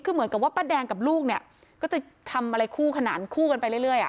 คือเหมือนกับว่าป้าแดงกับลูกเนี่ยก็จะทำอะไรคู่ขนานคู่กันไปเรื่อย